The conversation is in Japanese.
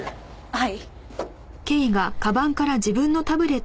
はい。